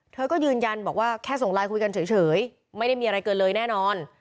เธอก็ยืนยันบอกว่าแค่ส่งไลน์คุยกันเฉยไม่ได้มีอะไรเกินเลยแน่นอน